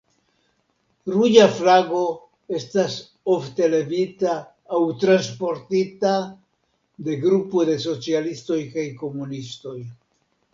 Ruĝa flago estas ofte levita aŭ transportita de grupo de socialistoj kaj komunistoj.